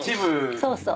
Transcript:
そうそう。